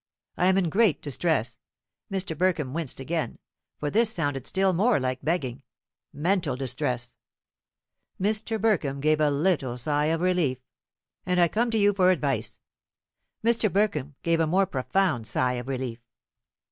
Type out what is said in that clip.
I am in great distress" Mr. Burkham winced again, for this sounded still more like begging "mental distress" Mr. Burkham gave a little sigh of relief "and I come to you for advice." Mr. Burkham gave a more profound sigh of relief.